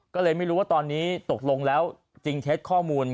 ก็เลยไม่รู้ว่าตอนนี้ตกลงแล้วจริงเท็จข้อมูล